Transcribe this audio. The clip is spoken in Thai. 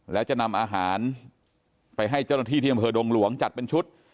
แล้วจะนำอาหารไปให้เจ้าหน้าที่ที่อำเภอดงหลวงจัดเป็นชุด